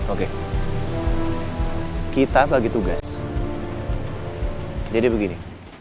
oke kita bagi tugas jadi begini